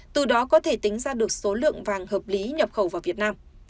từ đó có thể tính ra được số lượng vàng hợp lý nhập khẩu vào việt nam